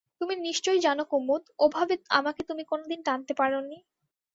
তুমি নিশ্চয় জানো কুমুদ, ওভাবে আমাকে তুমি কোনোদিন টানতে পারেনি?